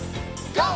ＧＯ！